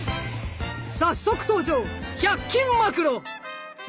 早速登場１００均マクロ！